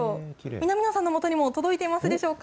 南野さんのもとにも届いてますでしょうか。